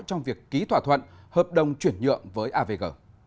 trong việc ký thỏa thuận hợp đồng chuyển nhượng với avg